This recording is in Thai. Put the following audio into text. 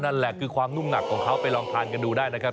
นั่นแหละคือความนุ่มหนักของเขาไปลองทานกันดูได้นะครับ